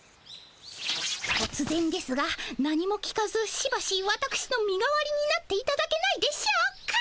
とつぜんですが何も聞かずしばしわたくしの身代わりになっていただけないでしょうか？